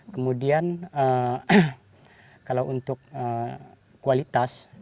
kemudian kalau untuk kualitas